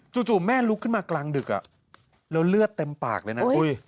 จู่แม่ลุกขึ้นมากลางดึกแล้วเลือดเต็มปากเลยนะ